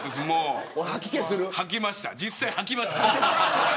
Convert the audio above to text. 実際、吐きました。